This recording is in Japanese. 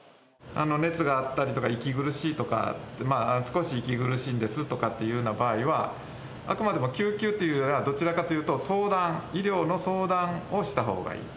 熱があったりとか、息苦しいとか、少し息苦しいんですとかっていう場合は、あくまでも救急というよりは、どちらかというと相談、医療の相談をしたほうがいい。